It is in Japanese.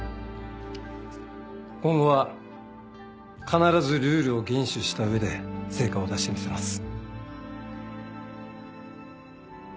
今後は必ずルールを厳守した上で成果を出してみせます。